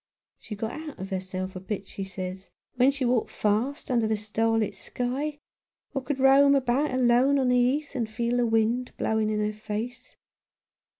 She got out of herself a bit, she says, when she walked fast under the starlit sky, or could roam about alone on the heath and feel the wind blowing on her face.